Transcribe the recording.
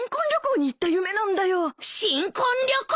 新婚旅行！？